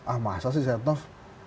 ah masa sih setnoff